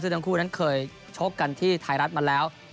ซึ่งทั้งคู่นั้นเคยชกกันที่ไทยรัฐมาแล้ว